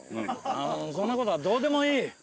ああもうそんなことはどうでもいい。